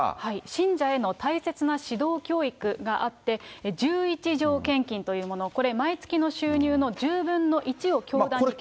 信者への大切な指導教育があって、十一条献金というもの、これ、毎月の収入の１０分の１を教団に。